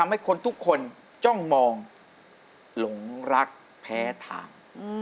หลงรักแพ้ทาง